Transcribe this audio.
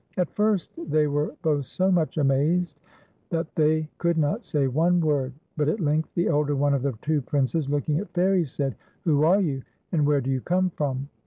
At first they were both so much amazed that they could not say one word, but at length the elder one of the two Princes, looking at Fairie, said: "Who are you, and where do you come from